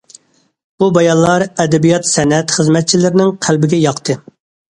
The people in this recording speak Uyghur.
بۇ بايانلار ئەدەبىيات- سەنئەت خىزمەتچىلىرىنىڭ قەلبىگە ياقتى.